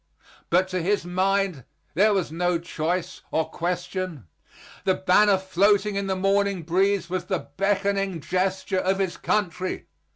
But to his mind there was no choice or question. The banner floating in the morning breeze was the beckoning gesture of his country.